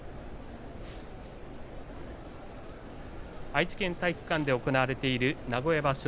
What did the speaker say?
愛知県体育館で行われている名古屋場所